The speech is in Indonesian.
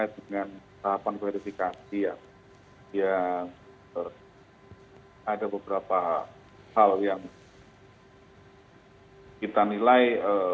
dengan tahapan verifikasi yang ada beberapa hal yang kita nilai